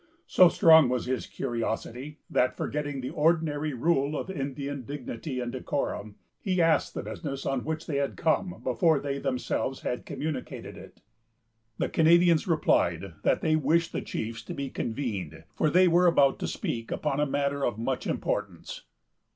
So strong was his curiosity, that, forgetting the ordinary rule of Indian dignity and decorum, he asked the business on which they had come before they themselves had communicated it. The Canadians replied, that they wished the chiefs to be convened, for they were about to speak upon a matter of much importance.